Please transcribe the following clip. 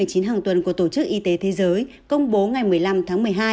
hàng tuần của tổ chức y tế thế giới công bố ngày một mươi năm tháng một mươi hai